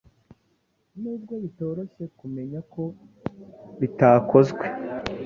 Nubwo bitoroshye kumenya ko bitakozwe